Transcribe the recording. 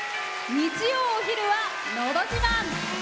日曜お昼は「のど自慢」。